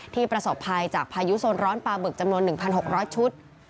ประสบภัยจากพายุโซนร้อนปลาบึกจำนวน๑๖๐๐ชุด